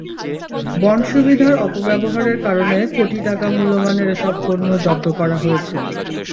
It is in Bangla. বন্ড সুবিধার অপব্যবহারের কারণে কোটি টাকা মূল্যমানের এসব পণ্য জব্দ করা হয়েছে।